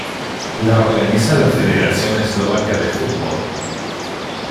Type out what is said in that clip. La organiza la Federación Eslovaca de Fútbol.